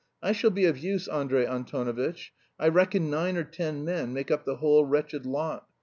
I shall be of use, Andrey Antonovitch! I reckon nine or ten men make up the whole wretched lot.